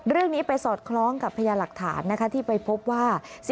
เรื่องนี้ไปสอดคล้องกับพยาหลักฐานนะคะที่ไปพบว่า